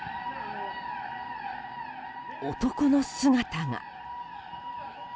男の姿が。